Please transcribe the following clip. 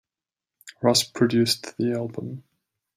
Ross produced the album.